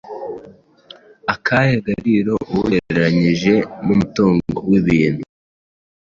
akahe gaciro, uwugereranyije n’umutungo w’ibintu?